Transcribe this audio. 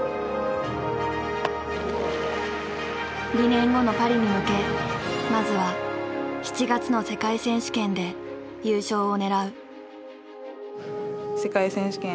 ２年後のパリに向けまずは７月の世界選手権で優勝を狙う。